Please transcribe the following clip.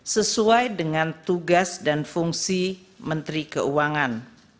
sesuai dengan tugas dan fungsi menteri keuangan